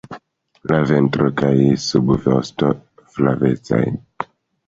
La ventro kaj subvosto flavecaj.